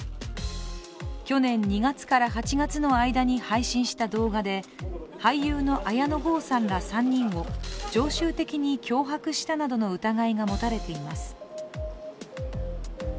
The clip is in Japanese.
去年２月から８月の間に配信した動画で俳優の綾野剛さんら３人を常習的に脅迫したなどの疑いが持たれています